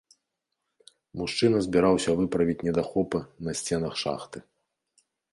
Мужчына збіраўся выправіць недахопы на сценах шахты.